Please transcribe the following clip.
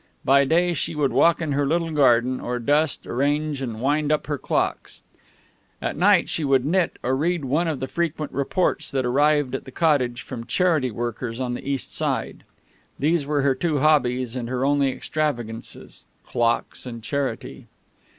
By day she would walk in her little garden, or dust, arrange and wind up her clocks. At night, she would knit, or read one of the frequent reports that arrived at the cottage from charity workers on the East Side. Those were her two hobbies, and her only extravagances clocks and charity.